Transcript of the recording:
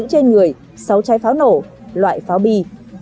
đỗ văn thành đã bắt giữ trên người sáu trái pháo nổ loại pháo bi